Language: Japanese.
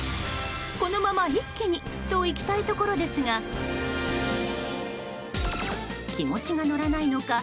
このまま一気にといきたいところですが気持ちが乗らないのか